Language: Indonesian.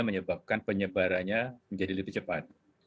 menyebabkan penyebarannya menjadi lebih cepat